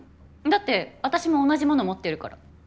だって私も同じもの持ってるから。